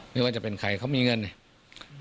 ไม่ว่าจะเป็นใครเขามีเงินเนี่ย